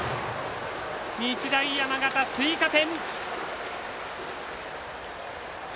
日大山形、追加点！